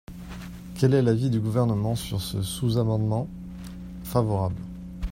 Quel est l’avis du Gouvernement sur ce sous-amendement ? Favorable.